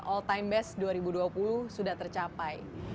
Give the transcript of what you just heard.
all time best dua ribu dua puluh sudah tercapai